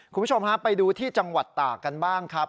คุณผู้ชมฮะไปดูที่จังหวัดตากกันบ้างครับ